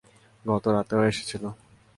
গত রাতেও এসেছিল।